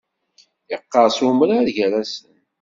Iqqeṛṣ umrar gar-asen.